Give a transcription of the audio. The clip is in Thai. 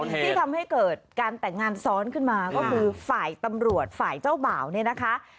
ที่ทำให้เกิดการแต่งงานซ้อนขึ้นมาก็คือฝ่ายตำรวจฝ่ายเจ้าบ่าวเนี่ยนะคะ